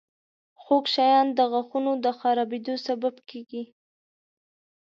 • خوږ شیان د غاښونو د خرابېدو سبب کیږي.